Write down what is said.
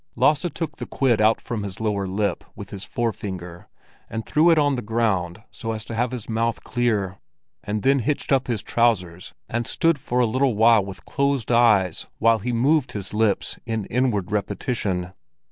Lasse took the quid out from his lower lip with his forefinger, and threw it on the ground so as to have his mouth clear, and then hitched up his trousers and stood for a little while with closed eyes while he moved his lips in inward repetition.